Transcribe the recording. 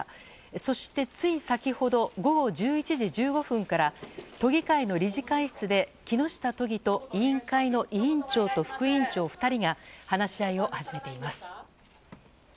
そして、つい先ほど午後１１時１５分から都議会の理事会室で木下都議と委員会の委員長と副委員長２人が話し合いを始めています。